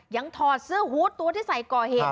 ถอดเสื้อฮูตตัวที่ใส่ก่อเหตุ